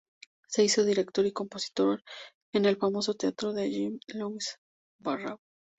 Se hizo director y compositor en el famoso teatro de Jean-Louis Barrault.